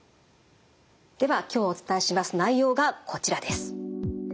では今日お伝えします内容がこちらです。